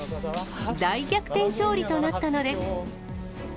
大逆転勝利となったのです。